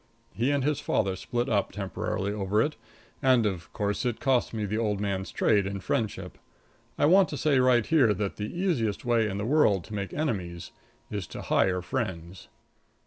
He and his father split up, temporarily, over it, and, of course, it cost me the old man's trade and friendship. I want to say right here that the easiest way in the world to make enemies is to hire friends.